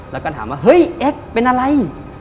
แล้วก็ถามว่าเฮ้ยเอ็กซ์เป็นอะไร